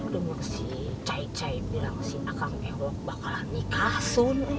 demi si cai cai bilang si akang ewok bakalan nikah soon eh